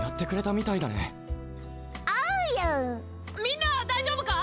みんなは大丈夫か？